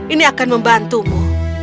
ini akan membantumu